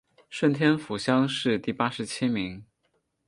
顺天府乡试第八十七名。